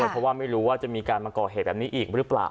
เพราะว่าไม่รู้ว่าจะมีการมาก่อเหตุแบบนี้อีกหรือเปล่า